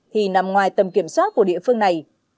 thì nằm ngoài tầm kiểm soát của địa phương này